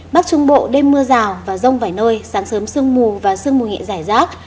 bắc trung bộ đêm mưa rào và rông vài nơi sáng sớm sương mù và sương mù nhẹ giải rác